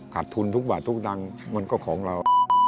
ทุนทุกบาททุกตังค์มันก็ของเรา